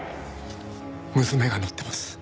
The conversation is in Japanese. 娘が乗ってます。